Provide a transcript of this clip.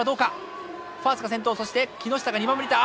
ファースが先頭そして木下が２番目に行った。